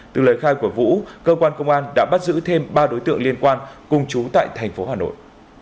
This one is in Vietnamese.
từ lời khai của vũ cơ quan công an đã bắt giữ thêm ba đối tượng liên quan cùng chú tại thành phố hà nội